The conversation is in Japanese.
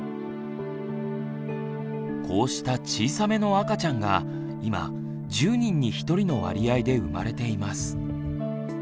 こうした「小さめの赤ちゃん」が今１０人に１人の割合で生まれています。